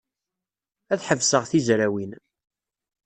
Ad ḥebseɣ tizrawin.